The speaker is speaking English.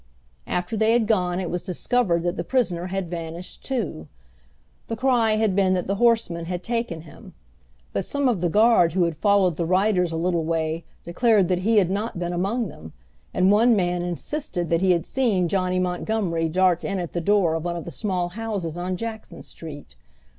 After they had gone it was discovered that the prisoner had vanished too. The cry had been that the horsemen had taken him; but some of the guard who had followed the riders a little way declared that he had not been among them, and one man insisted that he had seen Johnny Montgomery dart in at the door of one of the small houses on Jackson Street.